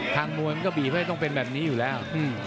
มวยมันก็บีบให้ต้องเป็นแบบนี้อยู่แล้ว